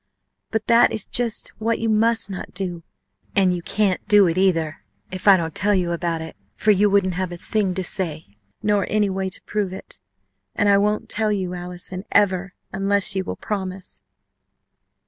"But that is just what you must not do. And you can't do it, either, if I don't tell you about it, for you wouldn't have a thing to say, nor any way to prove it. And I won't tell you, Allison, ever, unless you will promise